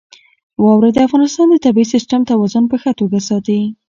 واوره د افغانستان د طبعي سیسټم توازن په ښه توګه ساتي.